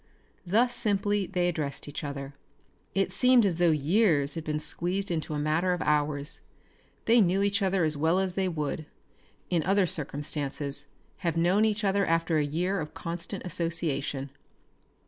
Thus simply they addressed each other. It seemed as though years had been squeezed into a matter of hours. They knew each other as well as they would, in other circumstances, have known each other after a year of constant association.